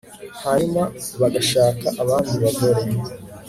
hanyuma bagashaka abandi bagore